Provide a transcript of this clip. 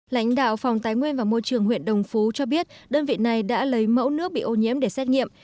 lãnh đạo phòng tái nguyên và môi trường huyện đồng phú cho biết đơn vị này đã lấy mẫu nước bị ô nhiễm để xét nghiệm